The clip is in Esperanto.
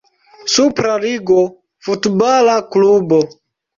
Supra Ligo futbala klubo.